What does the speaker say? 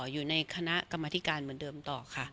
อยู่ในคณะกรรมธิการเหมือนเดิมต่อค่ะ